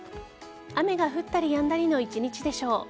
雨が降ったりやんだりの一日でしょう。